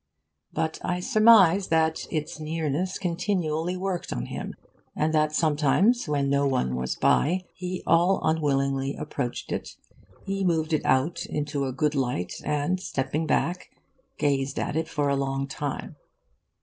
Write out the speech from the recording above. But I surmise that its nearness continually worked on him, and that sometimes, when no one was by, he all unwillingly approached it, he moved it out into a good light and, stepping back, gazed at it for a long time.